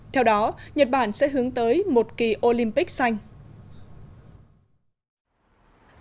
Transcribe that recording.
theo đó nhật bản sẽ hướng tới một kỳ olympic xanh